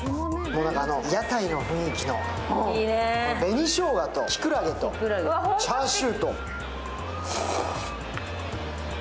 屋台の雰囲気の、紅しょうがときくらげとチャーシューと。